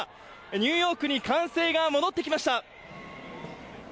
ニューヨークに歓声が戻ってきました。